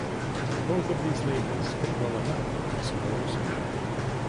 Both of these labels fit well enough, I suppose.